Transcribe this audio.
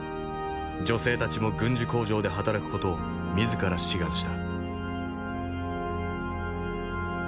女性たちも軍需工場で働く事を自ら志願した。